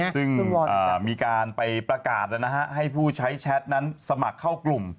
ซึ่งมีการไปประกาศให้ผู้ใช้แชทนั้นสมัครเข้ากลุ่ม